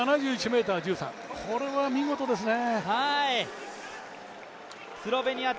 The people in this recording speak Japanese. これは見事ですね。